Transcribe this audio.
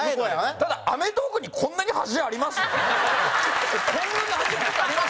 ただ『アメトーーク』にこんなに端あります？